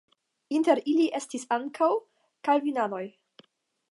Inter ili estis ankaŭ kalvinanoj.